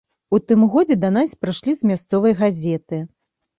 У тым годзе да нас прыйшлі з мясцовай газеты.